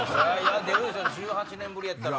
出るでしょ１８年ぶりやったら。